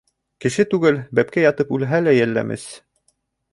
Кеше түгел, бәпкә ятып үлһә лә йәлләмес...